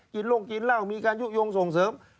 ลงกินเหล้ามีการยุโยงส่งเสริม